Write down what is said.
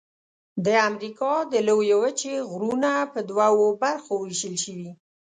د امریکا د لویې وچې غرونه په دوو برخو ویشل شوي.